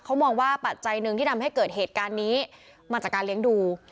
เขามองว่าตัดใจที่ทำให้ด้วยเหตุการณ์นี้จากการเลี้ยงดู